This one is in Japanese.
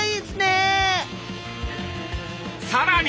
さらに！